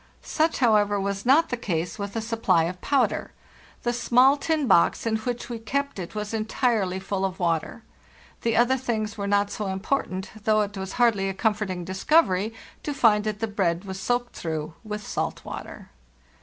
Such, however, was not the case with a supply of powder; 292 FARTHEST NORTH the small tin box in which we kept it was entirely full of water. The other things were not so important, though it was hardly a comforting discovery to find that the bread was soaked through with salt water.